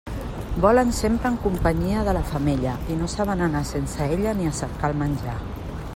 Volen sempre en companyia de la femella, i no saben anar sense ella ni a cercar el menjar.